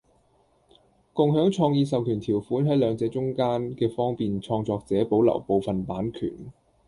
共享創意授權條款喺兩者中間既方便創作者保留部份版權